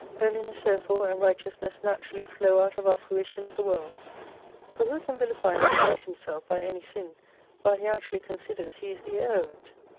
Holiness there fore and righteousness naturally flow out of our fruition of the World : for who can vilify and debase himself by any sin, while he actually considers he is the heir of it